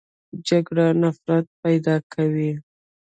جګړه نفرت پیدا کوي